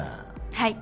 はい。